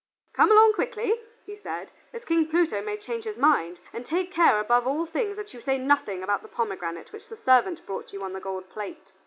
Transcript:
"Come along quickly," he said, "as King Pluto may change his mind, and take care above all things that you say nothing about the pomegranate which the servant brought you on the gold plate."